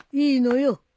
いいのよ。